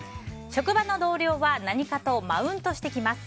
職場の同僚は何かとマウントしてきます。